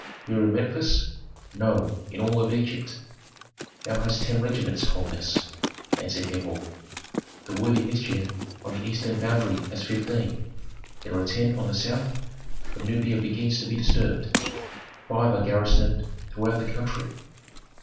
"Here in Memphis?" "No, in all Egypt." "Thou hadst ten regiments, holiness," answered Herhor. "The worthy Nitager on the eastern boundary has fifteen. There are ten on the south, for Nubia begins to be disturbed; five are garrisoned throughout the country."